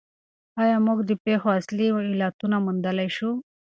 آیا موږ د پېښو اصلي علتونه موندلای شو؟